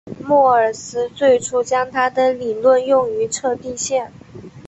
莫尔斯最初将他的理论用于测地线。